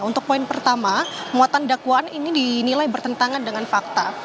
untuk poin pertama muatan dakwaan ini dinilai bertentangan dengan fakta